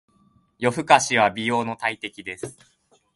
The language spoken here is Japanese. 夜更かしは美容の大敵です。